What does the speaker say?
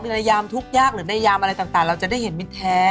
ในยามทุกข์ยากหรือในยามอะไรต่างเราจะได้เห็นมิตรแท้